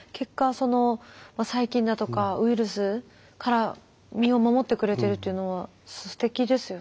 その細菌だとかウイルスから身を守ってくれてるというのはすてきですよね。